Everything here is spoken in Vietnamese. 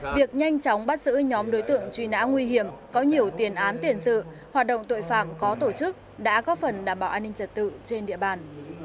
việc nhanh chóng bắt giữ nhóm đối tượng truy nã nguy hiểm có nhiều tiền án tiền sự hoạt động tội phạm có tổ chức đã góp phần đảm bảo an ninh trật tự trên địa bàn